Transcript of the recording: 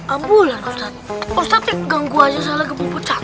ambulan ustadz ustadz ganggu aja salah kebobo cantik